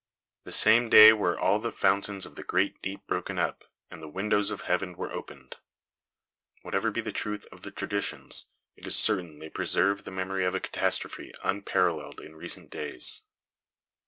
"The same day were all the fountains of the great deep broken up, and the windows of heaven were opened." Whatever be the truth of the traditions, it is certain they preserve the memory of a catastrophe unparalleled in recent days.